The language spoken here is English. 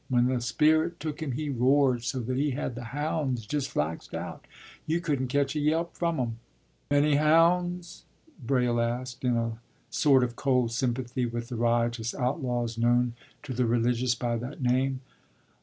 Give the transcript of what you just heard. When the Spirit took him he roared so that he had the Hounds just flaxed out; you couldn't ketch a yelp from 'em.” “Many Hounds?” Braile asked, in a sort of cold sympathy with the riotous outlaws known to the religious by that name.